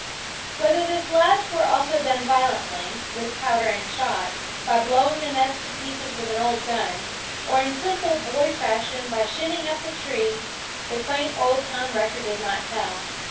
Whether this last were also done violently, with powder and shot, by blowing the nest to pieces with an old gun, or in simple boy fashion by shinning up the tree, the quaint old town record does not tell.